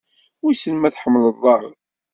Wisen ma tḥemmleḍ-aɣ?